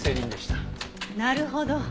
なるほど。